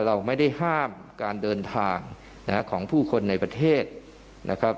เราไม่ได้ห้ามการเดินทางของผู้คนในประเทศนะครับ